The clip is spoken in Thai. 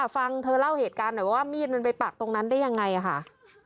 ฟังเธอเล่าเหตุการณ์หน่อยว่ามีดมันไปปักตรงนั้นได้ยังไงค่ะ